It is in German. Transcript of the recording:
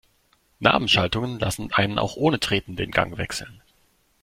Nabenschaltungen lassen einen auch ohne Treten den Gang wechseln.